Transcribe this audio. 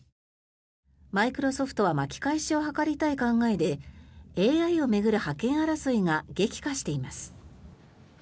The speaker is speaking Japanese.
マイクロソフトは巻き返しを図りたい考えでＡＩを巡る覇権争いが激化しています。